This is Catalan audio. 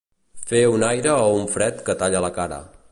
Fer un aire o un fred que talla la cara.